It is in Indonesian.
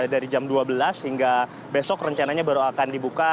dari jam dua belas hingga besok rencananya baru akan dibuka